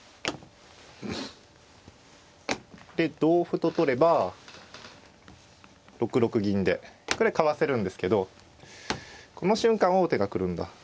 で同歩と取れば６六銀でこれかわせるんですけどこの瞬間王手が来るんだ。